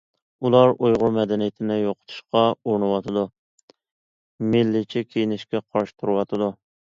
ئۇلار ئۇيغۇر مەدەنىيىتىنى يوقىتىشقا ئۇرۇنۇۋاتىدۇ، مىللىيچە كىيىنىشكە قارشى تۇرۇۋاتىدۇ.